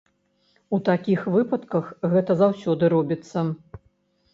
У такіх выпадках гэта заўсёды робіцца.